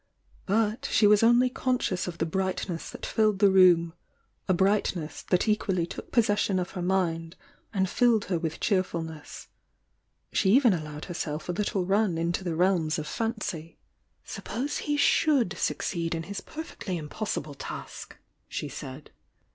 But she was only conscious of the brightness that filled the room— a brightness that equally took possession of her mind and filled her with cheerfulness. She even allowed herself a little run into the realms of fancy. THE YOUNG DIANA 21« "Suppose that he should succeed in his perfectly impossible task," she said.